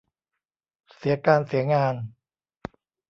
เสียการเสียงาน